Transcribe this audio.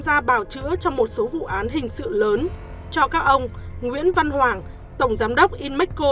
gia bào chữa trong một số vụ án hình sự lớn cho các ông nguyễn văn hoàng tổng giám đốc inmexco